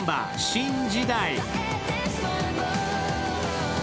「新時代」。